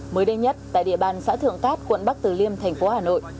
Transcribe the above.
mới đây nhất tại địa bàn xã thượng cát quận bắc từ liêm tp hà nội